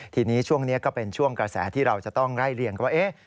ทีนี้ช่วงนี้ก็เป็นช่วงกระแสที่เราจะต้องไล่เลี่ยงกันว่า